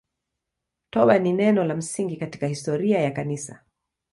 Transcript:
Toba ni neno la msingi katika historia ya Kanisa.